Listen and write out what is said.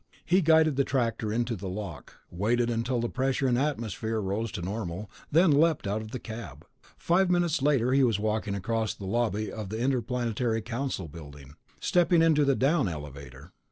He guided the tractor into the lock, waited until pressure and atmosphere rose to normal, and then leaped out of the cab. Five minutes later he was walking across the lobby of the Interplanetary Council building, stepping into the down elevator.